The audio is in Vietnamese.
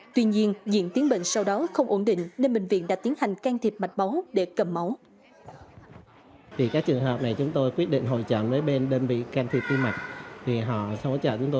tuy nhiên diện tiến bệnh sau đó không ổn định nên bệnh viện đã tiến hành can thiệp mạch máu để cầm máu